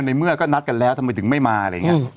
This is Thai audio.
เมื่อก็นัดกันแล้วทำไมถึงไม่มาอะไรอย่างนี้